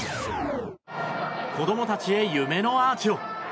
子供たちへ夢のアーチを。